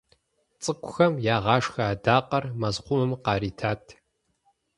ЦӀыкӀухэм ягъашхэ адакъэр мэзхъумэм къаритат.